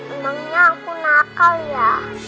emangnya aku nakal ya